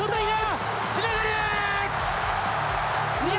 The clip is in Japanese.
つながる！